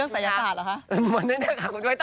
มันเป็นเรื่องสายศาสตร์เหรอคะ